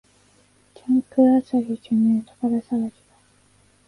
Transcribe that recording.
ジャンク漁りじゃねえ、宝探しだ